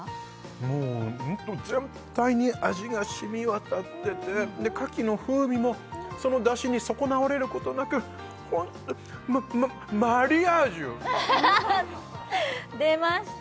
もうホント全体に味がしみわたってて牡蠣の風味もそのだしに損なわれることなくホントマママリアージュ出ました